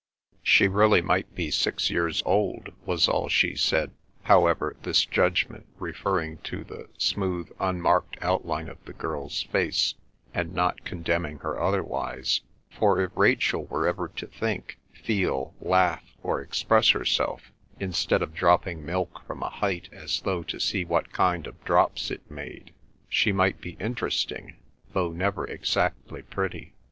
"She really might be six years old," was all she said, however, this judgment referring to the smooth unmarked outline of the girl's face, and not condemning her otherwise, for if Rachel were ever to think, feel, laugh, or express herself, instead of dropping milk from a height as though to see what kind of drops it made, she might be interesting though never exactly pretty.